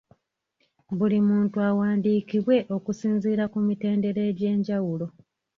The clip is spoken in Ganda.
Buli muntu awandiikibwe okusinziira ku mitendera egyenjawulo.